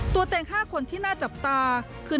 ตัวเอง๕คนที่น่าจับตาคือ